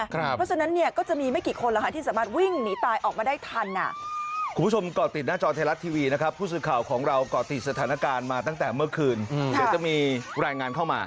เพราะฉะนั้นก็จะมีไม่กี่คนที่สามารถวิ่งหนีตายออกมาได้ทัน